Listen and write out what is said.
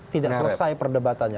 tidak selesai perdebatannya